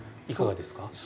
いかがですか？